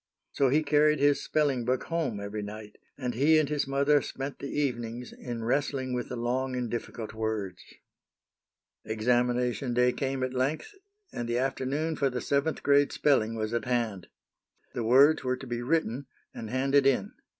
So he carried his spelling book home every night, and he and his mother spent the evenings in wrestling with the long and difficult words. Examination day came at length, and the afternoon for the seventh grade spelling was at hand. The words were to be written, and handed in.